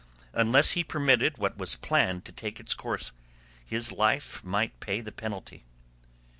Unless he permitted what was planned to take its course, his life might pay the penalty.